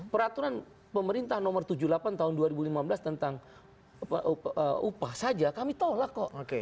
peraturan pemerintah nomor tujuh puluh delapan tahun dua ribu lima belas tentang upah saja kami tolak kok